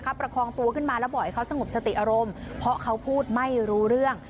ประคองตัวขึ้นมาแล้วบอกให้เขาสงบสติอารมณ์เพราะเขาพูดไม่รู้เรื่อง